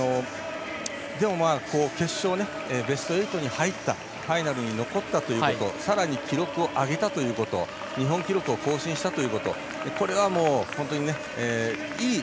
でも、決勝ベスト８に入ったファイナルに残ったということさらに記録を上げたということ日本記録を更新したということこれは、本当にいい